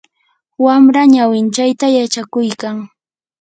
wamra ñawinchayta yachakuykan.